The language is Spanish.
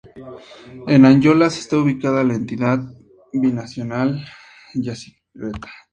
En Ayolas está ubicada la Entidad Binacional Yacyretá.